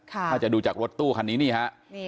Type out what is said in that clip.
ถ้าจะดูจากรถตู้คันนี้นี่ฮะ